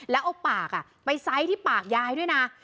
แล้วเอาปากไปไซส์ที่ปากยายด้วยนะ